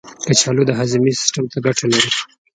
کچالو د هاضمې سیستم ته ګټه لري.